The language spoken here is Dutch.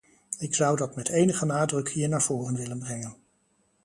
Ik zou dat met enige nadruk hier naar voren willen brengen.